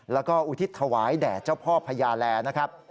แล้วก็อุทิศถวายแด่เจ้าพ่อพญาแลนะครับ